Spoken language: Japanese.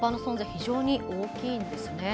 非常に大きいんですね。